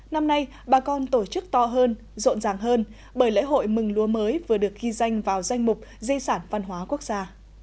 năm nay bà con tổ chức to hơn rộn ràng hơn bởi lễ hội mừng lúa mới vừa được ghi danh vào danh mục di sản văn hóa quốc gia